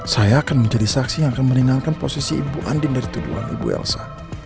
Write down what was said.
saya akan menjadi saksi yang akan meringankan posisi ibu andin dari tuduhan ibu elsa